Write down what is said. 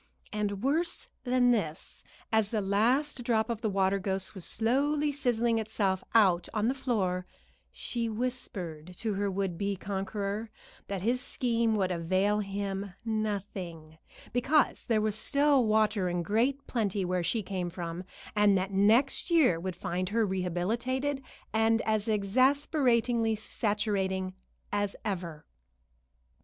And worse than this, as the last drop of the water ghost was slowly sizzling itself out on the floor, she whispered to her would be conqueror that his scheme would avail him nothing, because there was still water in great plenty where she came from, and that next year would find her rehabilitated and as exasperatingly saturating as ever.